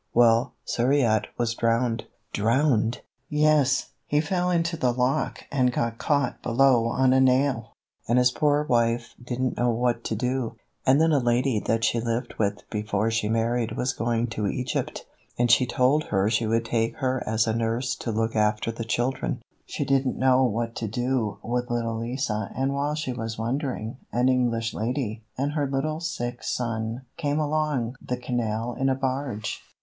"Well, Suriot was drowned...." "Drowned!" "Yes, he fell into the lock and got caught below on a nail. And his poor wife didn't know what to do, and then a lady that she lived with before she married was going to Egypt, and she told her she would take her as nurse to look after the children. She didn't know what to do with little Lise and while she was wondering an English lady and her little sick son came along the canal in a barge.